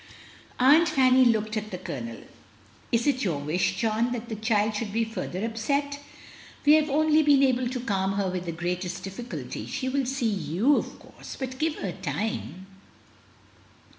Aunt Fanny looked at the Colonel. SUSANNA AT HOME. 221 "Is it your wish, John, that the child should be further upset? We have only been able to calm her with the greatest difficulty. She will see you^ of course. But give her time."